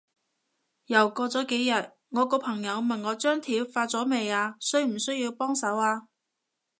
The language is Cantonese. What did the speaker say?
又過咗幾日，我個朋友問我張貼發咗未啊？需唔需要幫手啊？